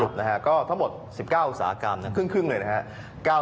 สรุปนะครับก็ทั้งหมด๑๙อุตสาหกรรมครึ่งเลยนะครับ